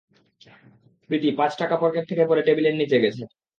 প্রীতি, পাঁচ টাকা পকেট থেকে পড়ে টেবিলের নিচে গেছে।